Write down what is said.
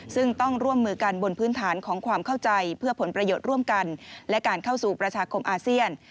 ซึ่งต้องร่วมมือกันบนพื้นฐานของความเข้าใจเพื่อผลประโยชน์ร่วมกันและการเข้าสู่ประชาคมอาเซียน